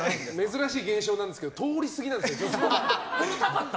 珍しい現象なんですが通り過ぎなんですよ。